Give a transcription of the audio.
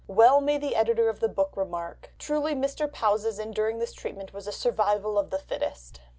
Well may the editor of the book remark, "Truly Mr. Powys' enduring this treatment was a survival of the fittest!"